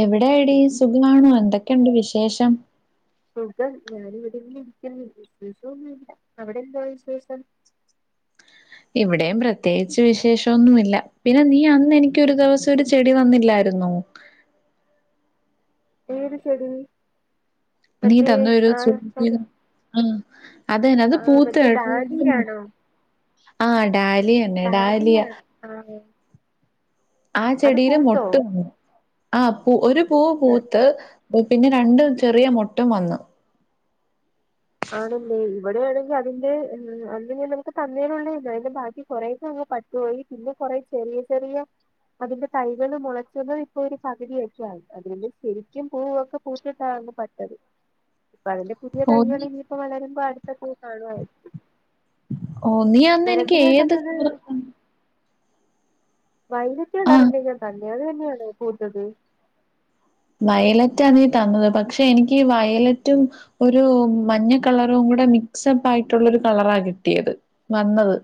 എവിടെ എടീസുഖമാണോ എന്തൊക്കെയുണ്ട് വിശേഷം സുഖം ഞാനിവിടെന്ന് ഇരിക്കുന്നു വിശേഷൊന്നുമില്ല അവിടെന്താ വിശേഷം ഇവിടെയും പ്രത്യേകിച്ച് വിശേഷംന്നുമില്ല പിന്നെ നീ അന്ന് എനിക്ക് ഒരു ദിവസം ഒരു ചെടി തന്നില്ലന്നോ രുന്നു ഏത് ചെടി നീ മറ്റേ തന്ന ഒരു ആ സോറി, [unintelligible] ആ അതന്നെ അത് ആ പൂത്ത മറ്റേ കേട്ടോ ഡാലിയാണോ ആ ഡാലിയന്നെ ഡാലിയ ഡാലിയാണ് ആ ആ അത് ചെടിയില് പൂത്തോ മൊട്ട വന്നു ആ പൂ ഒരു പൂ ആ, പൂത്ത് പിന്നെ രണ്ടും ചെറിയ മെട്ടും വന്നു ആണല്ലേ ഈ ഇവിടെയാണെങ്കിൽ അതി അല്ലെങ്കിൽ നമുക്ക് തന്നേുള്ള അ ബാക്കി കുറേ അതിന്റെ പിന്നെ പഴുത്തുപോയി കുറ ചെറിയ ചെറിയ അതിന്റെ തൈകള് മുളച്ചുന്നത് ഇപ്പൊ ഒരു പകുതിയൊക്കെ ആയിഅതേല്ശരിക്കും പൂവൊക്കെ പൂവിട്ട പട്ടത് [inaudible] അപ്പ അതിന്റെ പുതിയ ഓ നീ തയ്യണേ വരുമ്പോ അടുത്ത പൂ കാണുമായിരിക്കും ഓ നീ അന്ന് എനിക്ക് ഏത് പൂ ആഹ് വൈലറ്റകളറിന്റെ ഞാൻ തന്നത് അത് തന്നെയാണ് പൂത്തത് വയലറ്റ ആണ് നീ തന്നത് പക്ഷെ എനിക്ക് വയലറ്റും ഒരു മഞ്ഞ കളറും ടെ മിക്സ്പ്പ് ആയിട്ടുള്ളരു കളറ കിട്ടിയത് വന്നത്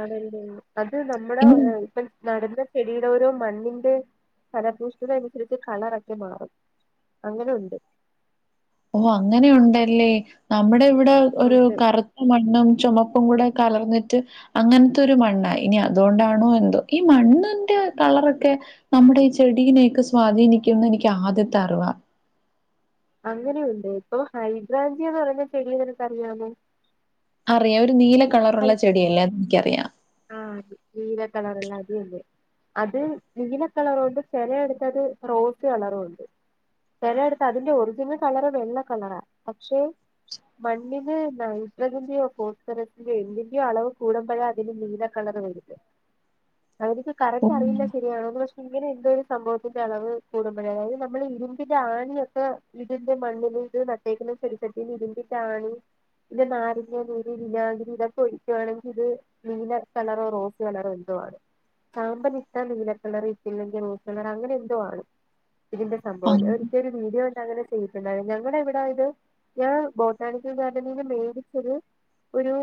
ആണല്ല അത് നമ്മുടെ ഇനി ഇപ്പ നടുന്ന ചെടിയുടെ ഓരോ മണ്ണിന്റെ ഫലപൂഷ്ടത അനുസരിച്ച് കളറൊക്കെ മാറും അങ്ങനെണ്ട് ഓ അങ്ങനെയുണ്ടല്ലേ നമ്മുടെ ഇവിടെ ഒരു ഉണ്ട് കറുത്ത മണ്ണും ചുമ പ്പുംകൂടെ കലർന്നിട്ട് അങ്ങനത്തെ ഒരു മണ്ണാഇനി അതുകൊണ്ടാണോ എന്തോ ഈ മണ്ണന്റെ വളൊക്കെ നമ്മുടെ ഈ ചെടിനേക്കെ സ്വാധീനിക്കുംന്നെനിക്കാദ്യത്ത അറിവാ. അങ്ങനെയുണ്ട് ഇപ്പൊ ഹൈദ്രാജിന്ന് പറഞ്ഞ ചെടിയ നിനക്കറിയാമോ? അറിയാം ഒരു നീല കളറുള്ള ചെടിയല്ലേ അത് നിക്കറിയാം. ആ നീല കളറുള്ള അത് തന്നെ. അത് നീലക്കളറുണ്ട് ചെലേടുത്ത് അത് റോസ് കളറുണ്ട്. ചെലേടുത്ത് അതിന്റെ ഒറിജിനൽ കളറ് വെള്ള കളറാ പക്ഷെ മണ്ണിന് നൈഡ്രജെന്റെയോ ഫോസ്ഫറേറ്റിൻ്റെയൊ എന്തിന്റെയോ അളവ് കൂടുമ്പഴാ അതിന് നീല കളർ വരുന്നെ അയെനിക്ക് കറക്റ്റ് അറിയില്ല ശെരിയാണോന്നു പഷേ ഇങ്ങനെ എന്തോ ഒരു സംഭവത്തിന്റെ അളവ് കൂടുമ്പോഴതായത് നമ്മള് ഇരുമ്പിന്റെ ആണിയൊക്കെ ഇതിന്റെ മണ്ണില് പ്പിത് നാട്ടേക്കുന്ന ചെടിച്ചട്ടീല് ഇരുമ്പിന്റെ ആണി ഇത് നാരങ്ങ നീര് വിനാഗിരി ഇതൊക്കെ ഒഴിക്കുവാണെങ്കി ഇത് നീല കളറോ റോസ് കളറോ എന്തോ ആണ്. ചാമ്പലിട്ട നീലക്കളര് ഇട്ടില്ലെങ്കി റോസ് കളറ് അങ്ങനെന്തോ ആണ്. ഇതിന്റെ ഓ സംഭവല്ലേ ഒരിക്കലൊരു വീഡിയോ അങ്ങനെ ചെയ്തിട്ടോണ്ടാരുന്നു ഞങ്ങടെ ഇവിടെ ഇത് ഞാൻ ബോട്ടാണിക്കൽ ഗാർഡനിന്ന്‌ മേടിച്ചത് ഒരു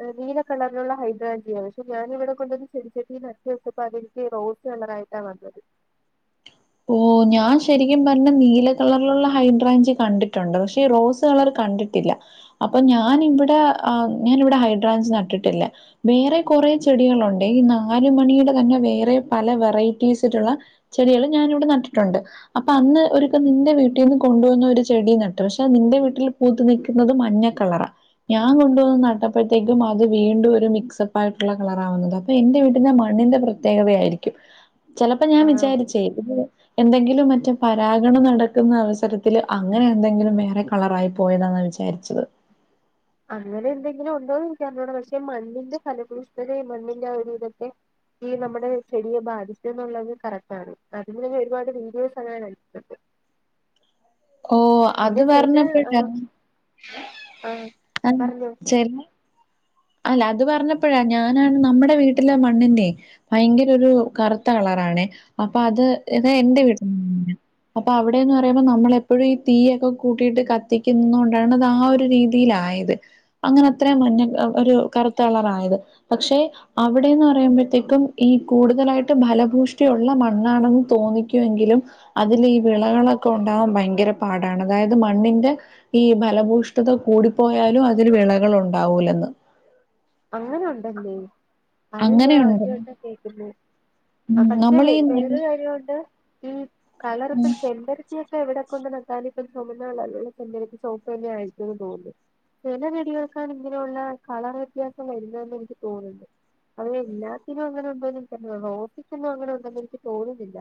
ഏ നീല കളർ ഇവിടൊള്ള ഹൈദ്രഞ്ചിയാണ് പക്ഷെ ഞാനിവടെ കൊണ്ടന്ന്‌ ചെടിച്ചട്ടിനെടുത്ത് വെച്ചപ്പോ അത് എനിക്ക് റോസ് കളറായിട്ടാ വന്നത്. ഓ ഞാൻ ശരിക്കും പറഞ്ഞ നീല കളറിലുള്ള ഹൈഡ്രഞ്ചി കണ്ടിട്ടൊണ്ട് പഷെ ഈ റോസ് കളറ് ക കണ്ടിട്ടില്ല അപ്പ ഞാനിവടെ ആ ഞാനിവടെ ഹൈഡ്രാഞ്ചി നാട്ടിട്ടില്ല വേറെ കൊ റോ ചെടികളോണ്ടേ ഈ നാല് മണിയുടെ തന്നെ വേറെ പല വെറൈറ്റീസിലുള്ള ചെടികള് ഞാനിവിടെ നട്ടിട്ടൊണ്ട് അപ്പ അന്ന് ഒരുസം നിന്റെ വീട്ടിന്ന് കൊണ്ടു വന്നൊരു ചെടി നട്ട് പഷെ നിന്റെ വീട്ടിൽ പൂത്ത് നിക്കുന്നത് മഞ്ഞ കളറാ. ഞാൻ കൊണ്ട് വന്ന് നട്ടപ്പഴ്ത്തേക്കും അത് വീണ്ടും ഒരു മിക്സപ്പായിട്ടുള്ള കളറാ ആവുന്നത് അപ്പ എന്റെ വീടിന്റെ മ ണ്ണിന്റെ പ്രത്യേകതയായിരിക്കും ചെലപ്പോ ഞാൻ ആഹ് വിചാരിച്ച് എന്തെങ്കിലും മറ്റ് പരാഗണം നടക്കുന്ന അവസരത്തില് അങ്ങനെ എന്തെങ്കിലും വേറെ കളറായി പോ പോയതാന്നാ വിചാരിച്ചത്. അങ്ങനെ എന്തെങ്കിലും ഉണ്ടോനെനിക്കറിഞ്ഞൂടാ പക്ഷെ മണ്ണിന്റെ ഫലഭൂഷ്ടതയെ മണ്ണിന്റെ ആ ഒരു വിധത്തെ ഈ നമ്മടെ ചെടിയെ ബാധിക്കന്നുള്ളത് കറക്റ്റ് ആണ് അതിന്റന്നെ ഒരുപാട് വീഡിയോസ് ഞാൻ [unintelligible] ഓ അത് പറഞ്ഞപ്പഴ ആഹ് പറഞ്ഞോ [unintelligible] അല്ല അത് പറഞ്ഞപ്പഴാ ഞാനാണ് നമ്മടെ വീട്ടിലെ മണ്ണിനെ ഭയങ്കര ഒരു കറുത്താളറാ. ആണെ അപ്പാത് തെന്റെ വീട്ടന്ന്‌ [unintelligible] അപ്പ അവിടെന്ന് പറയുമ്പ നമ്മളെപ്പഴും ഈ തീയൊക്കെ കൂട്ടിട്ട് കത്തിക്കുന്നോണ്ടാണത് ആ ഒരു രീതിലാ ആയത് അങ്ങനത്രേം മഞ്ഞ ഒരു കറുത്തളറായത് പക്ഷെ അവിടെന്ന് പറയുമ്പഴ്ത്തേക്കും ഈ കൂടുതലായിട്ട് ഫല ബൂഷ്ടയുള്ള മണ്ണാണെന്ന് തോന്നിക്കുവെങ്കിലും അതിൽ ഈ വിളകളൊക്കെ ഒണ്ടാവാൻ ഭയങ്കര പാടാണ്. അതായത് മണ്ണിന്റെ ഈ ഫലഭൂഷ്ടത കൂടിപ്പോയാലും അതില് വിളകളോണ്ടാവൂലന്ന്. അങ്ങനെ ഒണ്ടല്ലേ അതും ഞാൻ അങ്ങനെയുണ്ട്. ആദ്യായിട്ട കേക്കുന്നെ. ആ ഉം പക്ഷെ വെ നമ്മളീ വേറൊരു കാര്യോണ്ട് ഈ കളറിപ്പം ചെമ്പരത്തിയ പ്പ ഇവിടെക്കൊണ്ട് നട്ടാല് ഇപ്പം ചൊമന്നകളറില് [unintelligible] ചോപ്പന്നെ ആയിരിക്കൂന്ന് തോന്നുന്നു. ചെല ചെടികൾക്കാണ് ഇങ്ങനെയുള്ള കളറ് വ്യത്യാസം വരുന്നതെന്ന് എനിക്ക് തോന്ന്‌ന്ന്‌. അത് എല്ലാത്തിനും അങ്ങനെ ഉണ്ടോന്ന്‌ എനിക്കറിഞ്ഞു കൂടാ റോസക്കൊന്നും അങ്ങനെ ഒണ്ടന്ന് എനിക്ക് തോന്നുന്നില്ല.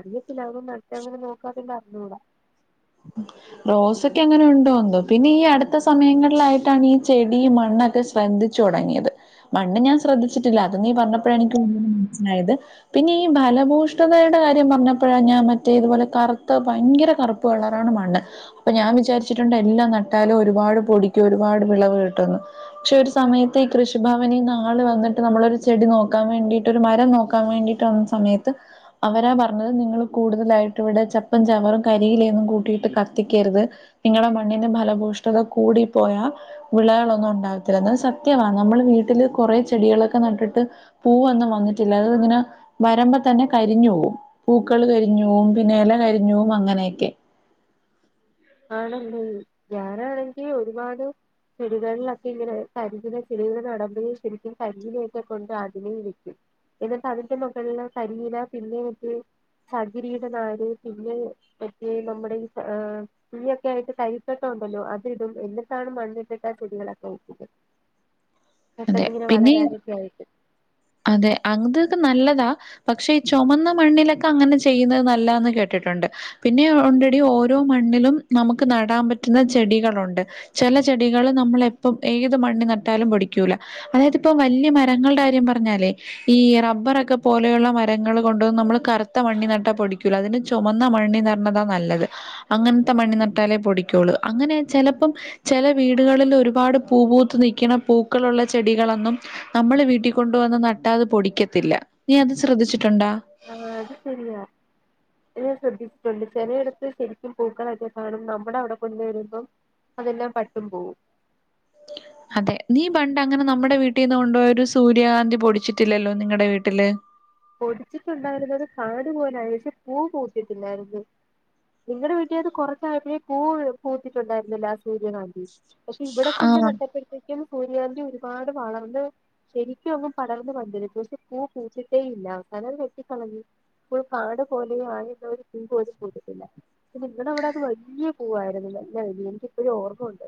അറിയത്തില്ല അതൊന്നും നട്ടങ്ങനെ നോക്കാതറിഞ്ഞൂടാ. റോസൊക്കെ അങ്ങനെ ഉണ്ടോന്തോ പിന്നെ ഈ അടുത്ത സമയങ്ങളിലായിട്ടാണ് ഈ ചെടി മണ്ണെ ശ്രദ്ധിച്ചു തൊടങ്ങിയത് മണ്ണ് ഞൻ ശ്രദ്ധിച്ചിട്ടില്ല അത് നീ പറഞ്ഞപ്പഴ എനിക്ക് മനസിലായത്. പിന്നെ ഈ ഫലഭൂഷ്ടതയുടെ കാര്യം പറഞ്ഞപ്പഴാ ഞാൻ മറ്റേ ഇതുപോലെ കറുത്ത ഭയങ്കര കറുപ്പുകളർ ആണ് മണ്ണ് അപ്പ ഞാൻ വിചാരിച്ചിട്ടുണ്ട് എല്ലാം നട്ടാലും ഒരുപാട് പൊടിക്ക് ഒരുപാട് വിളവ് കിട്ടുന്ന്‌. പക്ഷെ ഒരു സമയത്ത് ഈ കൃഷിഭവനി നാള് വന്നിട്ട് നമ്മളൊരു ചെടി നോക്കാൻ വേണ്ടിട്ട് ഒരു മരം നോക്കാൻ വേണ്ടി ക്കിട്ട് വന്ന സമേത്ത് അവരാ പറഞ്ഞത് നിങ്ങൾ കൂടുതലായിട്ട് ഇവിടെ ചപ്പും ചവറും കരിയിലയൊന്നും കൂ കൂട്ടിയിട്ട് കത്തിക്കരുത്. നിങ്ങളുടെ മണ്ണിന്റെ ഫലഭൂഷ്ടത കൂടി പോയ വിളകളൊന്നും ഉണ്ടാവി സത്യമാണ് നമ്മള് വീട്ടില് കുറെേ ചെടികളൊക്കെ നട്ടിട്ട് പൂവൊന്നും വന്നിട്ടില്ല. അത് ഇങ്ങനെ, വരമ്പോതന്നെ കരിഞ്ഞു പോവും, പൂക്കൾ കരിഞ്ഞുപോവും പിന്നെ ഇല കരിഞ്ഞുപോവും അങ്ങനെയൊക്കെ ആണെലെ, ഞാനാണെങ്കിൽ ഒരുപാട് ചെടികളിലൊക്കെ ഇങ്ങനെ കരിന ചെടികൾ നടമ്പഴ ശരിക്കും കരിയിനെയൊക്കെ കൊണ്ട് അതിനേ വെക്കും. എന്നിട്ട് അതിന്റെ മുകളില കരീന, പിന്നെട്ട് ചകിരിയുടെ നാര്, പിന്നെ വെട്ടിയ നമ്മുടെ ഈ ആ തീയൊക്കെ ആയിട്ട് തൈകട്ട ഉണ്ടല്ലോ അതിടും, എന്നിട്ടാണ് മണിറ്റിട്ട് ചെടികളൊക്കെ വെക്കുന്നത്. അതെ പെട്ടെന്നിങ്ങനെ പിന്നെ ഈ വളരാനൊക്കെ ആയിട്ട് അതെ അങ്ങതൊക്കെ നല്ലതാ? പക്ഷെ ഈ ചുമന്ന മണ്ണിലൊക്കെ അങ്ങനെ ചെയ്യുന്നത് നല്ലതാന്ന് കേട്ടിട്ടുണ്ട്. പിന്നെ ഉണ്ടടി ഓരോ മണ് മണ്ണിലും നമുക്ക് നടാൻ പറ്റുന്ന ചെടികളുണ്ട്. ചില ചെടികൾ നമ്മള എപ്പ ഏത് മണ്ണി നട്ടാലും പിടിക്കു ല. അതായത്പ്പ വലിയ മരങ്ങളുടെ കാര്യം പറഞ്ഞാലേ, ഈ റബ്ബറൊക്കെ പോലെയുള്ള മരങ്ങൾ കൊടുന്ന് നമ്മൾ കറുത്ത മണി നട്ട പിടിക്കൂല. അതിന് ചുമന്ന മണ്ണി നടന്നതാ നല്ലത് അങ്ങനത്തെ മണ്ണി നട്ട നട്ടാലേ പിടിക്കുള്ളൂ. അങ്ങനെ ചിലപ്പം ചില വീടുകളിൽ ഒരുപാട് പൂപൂത്ത് നൽക്കണ പൂ പക്കളള്ള ചെടികളൊന്നും നമ്മൾ വീട്ടിൽ കൊണ്ടുവന്ന നട്ടാതെ പൊടിക്കത്തില്ല. നീ അത് ശ്രദ്ധിച്ചിട്ടുണ്ടോ? ആഹ അത് ശരിയാ. ഞാൻ ശ്രദ്ധിച്ചിട്ടുണ്ട് ചിലയിടത്ത് ശരിക്കും പൂക്കളൊക്കെ കാണും. നമ്മുടെ അവിടെ കൊണ്ടുവരുമ്പോ, അതെല്ലാം പട്ടും പോവും. അതെ നീ പണ്ട് അങ്ങനെ നമ്മുടെ വീട്ടീന്ന് കൊണ്ടപോയ ഒരു സൂര്യകാന്തി പൊടിച്ചിട്ടില്ലല്ലോ നിങ്ങളടെ വീട്ടില്? പൊടിച്ചിട്ടുണ്ടായിരുന്ന് ഒരു കാട് പോലെ ആയി. പക്ഷെ പൂ പൂത്തിട്ടില്ലായിരുന്നു. നിങ്ങളടെ വീട്ടിൽ അത് കൊറച്ചായപ്പോഴെ പൂ പൂത്തിട്ടുണ്ടായിരുന്നില്ലെ? ലാസ്റ്റ്. സൂര്യകാന്തി, പക്ഷെ ഇവിടെ കൊണ്ട് ആഹ് നട്ടപ്പോഴത്തേക്കും സൂര്യാന്തി ഒരുപാട് വളർന്ന്, ശരിക്കും അങ് പടർന്ന് പന്തലിച്ചു. പക്ഷെ പൂ പൂത്തി ട്ടേല്ല. അവസാനം വെട്ടിക്കളഞ്ഞു. ഇപ്പോ കാട് പോലെയ ആയുന്ന ഒരു പൂ പോലും പൂത്തിട്ടില്ല. നിങ്ങള അവിടെ അത് വലിയ പൂവായിരുന്നു ല്ല ഇതെനിക്ക് ഇപ്പോഴും ഓർമ്മയുണ്ട്.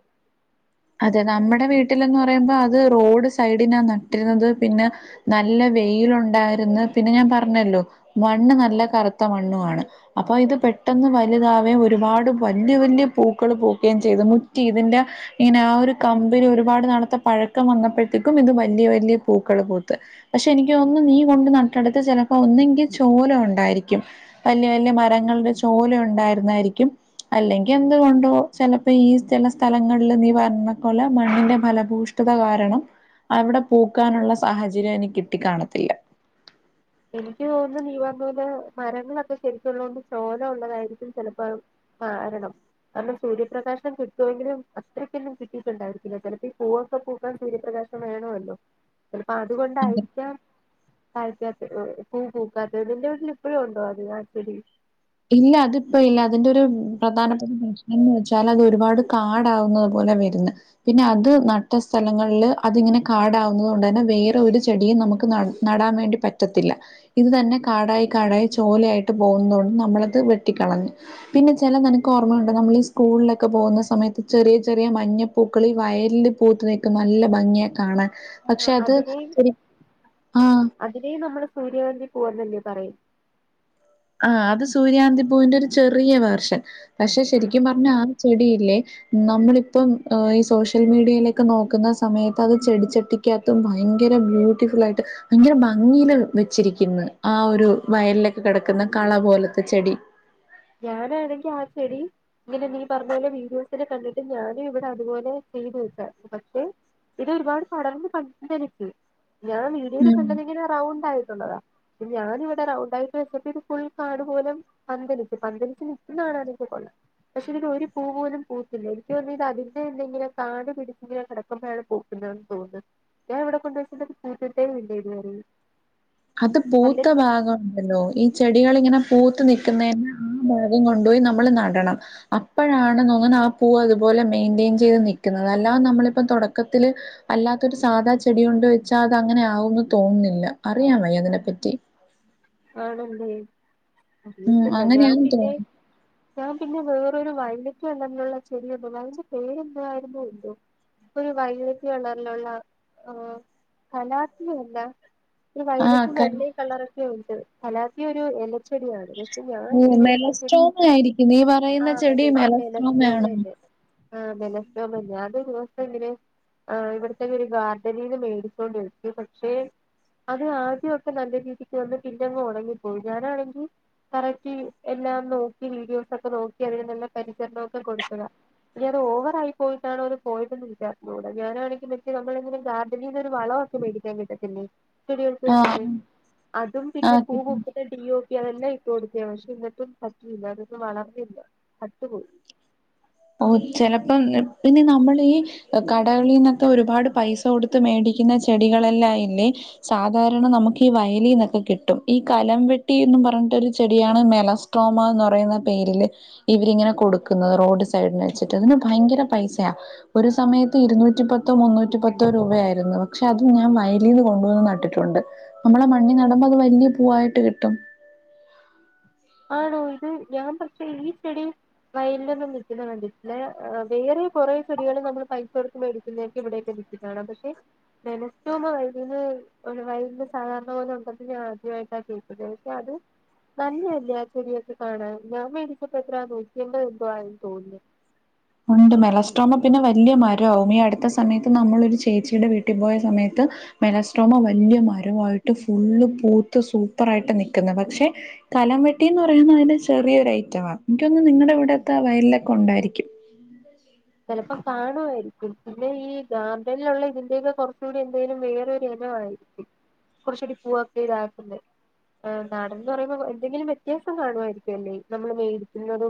അതെ നമ്മുടെ വീട്ടിലന്ന് പറയുമ്പോ, അത് റോഡ് സൈഡിനാ നട്ടിരുന്നത്. പിന്നെ നല്ല വെയിലുണ്ടായിരിന്ന്, പിന്നെ ഞാൻ പറഞ്ഞല്ലോ മണ്ണ് നല്ല കറുത്ത മണ്ണും ആണ്. അപ്പൊ ഇത് പെ പെട്ടെന്ന് വലുതാവുകയും ഒരുപാട് വലിയ വല്യ പൂക്കൾ പൂക്കുകയും ചെയ്തു. മുറ്റി ഇതിറെ ഇങ്ങനെ ആ ഒരു കമ്പനി ഒരുപാട് നാളെത്ത പഴക്കം വന്നപ്പോഴത്തേക്കും ഇത് വലിയ വലിയ പൂക്കള് പൂത്ത് പക്ഷെ എനിക്ക് തോന്നുന്നു, നീ കൊണ്ട് നട്ടടുത്ത് ചിലപ്പോ ഒന്നങ്കിൽ ചോലം ഉണ്ടായിരിക്കും. വലിയ വലിയ മരങ്ങൾ ചോല ഉണ്ടായിരുന്നായിരിക്കും. അല്ലെങ്കിൽ എന്തുകൊണ്ടോ ചിലപ്പോ ഈ ചില സ്ഥലങ്ങളിൽ കാരണക്കലെ മണ്ണിന്റെ ഫലഭൂഷ്ടത കാരണം അവിടെ പൂക്കാനുള്ള സാഹചര്യം എനി കിട്ടിക്കാണത്തില്ല. എനിക്ക് തോന്നുന്നു നീ പറഞ്ഞ പോലെ മരങ്ങളൊക്കെ ശരിക്കുള്ളത് കൊണ്ട് ചോല ഉള്ളതായിരിക്കും ചിലപ്പോ ആഹ ആകണം. അന്നും സൂര്യപ്രകാശം കിട്ടുവെങ്കിലും അത്രയ്ക്കൊന്നും കിട്ടിട്ടുണ്ടായിരിക്കില്ല ചിലപ്പോ പൂവൊക്കെ പൂക്കാൻ സൂര്യപ്രകാശം വേണല്ലോ?. ചിലപ്പോ ഉം അതുകൊണ്ടായിരിക്കാം, പൂ പൂക്കാത്തെ. നിന്റെ വീട്ടിൽ ഇപ്പഴും ഉണ്ടോ അത് ആ ചെടി ഇല്ല അതിപ്പോ ഇല്ല. അതിന്റെ ഒരു പ്രധാനപ്പെട്ട പ്രശ്നം എന്ന് വെച്ചാൽ, അത് ഒരുപാട് കാടാവുന്നത് പോലെ വരുന്നു, പിന്നെ അത് നട്ട സ്ഥലങ്ങളിൽ അതിങ്ങനെ കാടാവുന്നത് കൊണ്ടന്നെ വേറെ ഒരു ചെടിയും നമുക്ക് ന നടാൻ വേണ്ടി പറ്റത്തില്ല. ഇത് തന്നെ കാടായി കാടായി ചോല ആയിട്ട് പോകുന്നത് കൊണ്ട് നമ്മളത് വെട്ടിക്കളഞ്ഞു. പിന്നെ ചില നിനക്ക് ഓർമ്മയുണ്ടോ? നമ്മൾ ഈ സ്കൂളിലൊക്കെ പോകുന്ന സമയത്ത് ചെറിയ ചെറിയ മഞ്ഞപ്പൂക്കള് വയലില് പൂത്ത് നിക്കണേ, നല്ല ഭംഗിയാ കാണാൻ ആ പക്ഷെ, അത് അതിനെയും ഇച്ചിരി, ആഹ സൂര്യവതി പൂവന്ന് അല്ലെ പറയുക. ആ അത് സൂര്യാന്തിപൂവിന്റെ ഒരു ചെറിയ വേർഷൻ. പക്ഷെ ഉം ശരിക്കും പറഞ്ഞ ആ ചെടിയില്ലേ നമ്മളിപ്പം ഈ സോഷ്യൽ മീടിയയിലേക്കെ നോക്കുന്ന സമയത്ത് അത് ചെടിച്ചട്ടി ക്കത്ത് ഭയങ്കര ബ്യൂട്ടിഫുളായിട്ട് ഭയങ്കര ഭംഗിൽ വെച്ചിരിക്കുന്ന് ആ ഒരു വയലിലൊക്കെ കിട ക്കുന്നെ കള പോലത്തെ ചെടി ഞാനാണെങ്കി ആ ചെടി ഇങ്ങനെ നീ പറഞ്ഞ പോലെ വീഡിയോസിലെ കണ്ടിട്ട് ഞാനും ഇവിടെ അതുപോലെ ചെയ്തു വക്കാ പക്ഷെ ഇത് ഒരുപാട് പടർന്ന് പന്തലിച്ച് ഞാൻ വീഡിയോല് ഉം കണ്ടതിങ്ങനെ റൗണ്ടായിട്ടുള്ളതാ ഞാനിവിടെ റൗണ്ടായിട്ട് വെച്ചപ്പിത് ഫുൾ കാട് പോലെ പന്തലി പന്തലിച്ച് നിക്കുന്നേകാണാനൊക്കെ കൊള്ളാം പക്ഷെ ഇതിൽ ഒരു പൂവ് പോലും പൂത്തില്ല എനിക്ക് തോന്നതതിന്റെ എന്തെങ്കിലും കാട് പിടിച്ചിങ്ങനെ കിടക്കുമ്പോഴാണ് പൂക്കു തോന്ന്ന്ന് ഞാൻ ഇവിടെ കൊണ്ടുവച്ച്ട്ട് അത് പു‌തിട്ടേയില്ല ഇതുവരെയും അത് പൂത്ത അല്ലെങ്കി ഭാഗംഉണ്ടല്ലോ ഈ ചെടികളിങ്ങനെ പൂത്ത് നൽക്കുന്നതിന്റെ ആ ഭാഗം കൊണ്ടുപോയി നമ്മൾ നടണം അപ്പോഴാണന്നോന്നാണ് ആ പൂ അതുപോ ലെ മെയ്ന്റെയന് ചെയ്ത് നിക്ക്ന്നത് അല്ലാതെ നമ്മളിപ്പ തുടക്കത്തില് അല്ലാത്ത ഒരു സാധാ ചെടി കൊണ്ട് വെച്ചാ അ അത് അങ്ങനെ ആകൂന്ന് തോന്നുന്നില്ല അറിയാമോ അതിനെപ്പറ്റി ആണല്ലേ ഉം അറിയത്തില്ല ഞാൻ അങ്ങനെയാന്ന് പിന്നെ തോന്നുന്നു. ഞാൻ പിന്നെ വേറൊരു വയലറ്റ് കളറിലുള്ള ചെടിയെന്തുവാ അതിന്റെ പേരേന്ത്‌വായിരുന്നു എന്തോ ഇപ്പ ഒരു വൈലറ്റ് കളറിലുള്ള ആ കലാത്തി അല്ല ഒരു ആഹ് വയലറ്റും ക വെള്ളയും കളറൊക്കെ ഉണ്ട് കലാത്തിയോരു ഇലച്ചെടിയാണ് ഓ മെലസ്ട്രോങ് ആയിരിക്കും നീ പറയുന്ന ആഹ് ചെടി മെലസ്ടോങ് ആണോ ആ മേലസ്ട്രോമെന്നായ അത് [unintelligible] എങ്ങനെ ആ ഇവിടത്തന്നെ ഒരു ഗാർഡനീന്ന് മേടിച്ചോണ്ട് വച്ച് പക്ഷെ അത് ആദ്യൊക്കെ നല്ല രീതിക്ക് വന്ന് പിന്നങ്ങ് ഉണങ്ങിപ്പോയി ഞാനാണെങ്കി കറക്റ്റ് എല്ലാം നോക്കി വീഡിയോസ് ഒക്കെ നോക്കി അതിന് നല്ല പരിചരണൊക്കെ കൊടുത്തതാ നിയത് ഓവറായി പോയിട്ടാണോ അത് പോയിട്ടെന്ന് വിചാരിച്ചുടാ ഞാനാണെങ്കിഎനിക്ക് നമ്മളിങ്ങനെ ഗാർഡനീനോരു വളോ ക്കെ മേടിക്കാൻ കിട്ടത്തില്ലേ ആഹ് ചെറിയൊരുസൈസില്ലേ അതും പിന്നെ ആഹ് കിട്ടും [unintelligible] അതെല്ലാം ഇട്ട് കൊടുത്തയ പക്ഷെന്നിട്ടും പറ്റിയില്ല അതൊന്നും വളർന്നില്ല ചത്തുപോയി ഓ ചെലപ്പോം പിന്നെ നമ്മളീ കടകളീന്നൊക്കെ ഒരുപാട് പൈസ കൊടുത്ത് മേടി ക്കുന്ന ചെടികളെല്ല ഇല്ലേ സാധാര നമുക്ക് ഈ വയലിന്നൊക്കെ കിട്ടും ഈ കലം വെട്ടി ന്ന് പറയുന്ന ചെടിയാണ് മേലസ്ട്രോമാന്ന് പറയുന്ന പേരില് ഇവരിങ്ങനെ കൊടുക്കുന്നത് റോഡ്സൈഡിൽ സൈഡിൽ വെച്ചിട്ട് അതിന് ഭയങ്കര പൈസയ ഒരു സമയത്ത് ഇരുന്നൂറ്റി പത്തോ മുന്നൂറ്റി പത്തോ രൂപയായിരുന്നു പക്ഷെ അതും ഞാൻ വയലീന്ന് കൊണ്ടുവന്ന് നട്ടിട്ടുണ്ട് നമ്മളെ മണ്ണി നടമ്പോ അത് വലിയ പൂവായിട്ട് കിട്ടും ആണോ ഇത് ഞാൻ പക്ഷേ ഈച്ചെടി വയല്ലോന്നും നിക്കുന്നെ കണ്ടിട്ടില്ല വേറെ കുറെേ ചടികള് നമ്മൾ പൈസകൊടുത്ത് മേടിക്കുന്നെയോക്കെ ഇവിടെയൊ നിക്കുന്നെ കാണാ പക്ഷെ മേലാസ്ട്രോമ വയലില് [inaudible] സാധാരണ പോലെ ഉണ്ടെന്ന് ഞാനാദ്യ യിട്ടാ കേക്കുന്നെ പക്ഷെ അത് നല്ലയൊരു [unintelligible] യൊക്കെ കാണാൻ ഞാൻ വെടിക്കുമ്പോ എത്ര നൂറ്റിയമ്പത് എന്തോ ആയിന്ന് തോന്നുന്നു ഉണ്ട് മെലസ്ട്രോമ പിന്നെ വല്യ മരാവും ഈ അടുത്ത സമയത്ത് നമ്മളോരു ചേച്ചിടെ വീട്ടിൽ പോയ സമയത്ത് മെലസ്ട്രോമ വലിയ മരവായിട്ട് ഫുള്ള് പൂത്ത് സൂപ്പറായിട്ട് നിൽക്കുന്ന് പക്ഷെ കലംവെട്ടിന്ന് പറയുന്നയിന്റെ ചെറിയൊരു ഐറ്റവാണ് എനിക്കൊന്ന് നിങ്ങടെ അവിടത്തെ ആ വയലിലൊക്കെ ഉണ്ടായിരിക്കും ചിലപ്പോം കാണുആയിരിക്കും പിന്നെ ഈ ഗാർഡനിലുള്ള ഇതിന്റെയൊക്കെ കുറച്ചുകൂടി എന്തൊലും വേറൊരു ആയിരിക്കും കുറച്ചൂടി പൂവൊക്കെ ഇതാക്കണ്ട് ആ് നാടന്ന് പറയുമ്പോ എന്തെങ്കിലും വ്യത്യാസം കാണുമായിരിക്കും അല്ലേ നമ്മൾ മേടിക്കുന്നതും